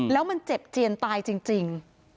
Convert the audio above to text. แล้วมันเจ็บเจียนตายจริง